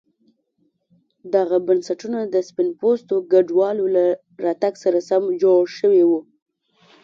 دغه بنسټونه د سپین پوستو کډوالو له راتګ سره سم جوړ شوي وو.